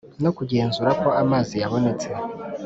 No kugenzura ko amazi yabonetse